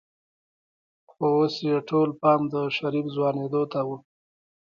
خو اوس يې ټول پام د شريف ځوانېدو ته و.